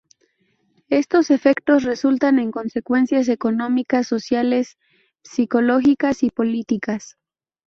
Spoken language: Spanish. Estos efectos resultan en consecuencias económicas, sociales, psicológicas y políticas.